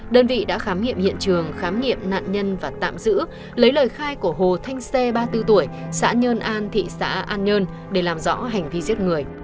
đơn vị đã khám nghiệm hiện trường khám nghiệm nạn nhân và tạm giữ lấy lời khai của hồ thanh xê ba mươi bốn tuổi xã nhơn an thị xã an nhơn để làm rõ hành vi giết người